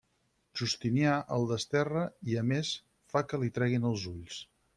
Justinià el desterra i a més fa que li treguin els ulls.